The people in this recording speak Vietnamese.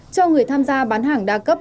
cho người tham gia bán hàng đa cấp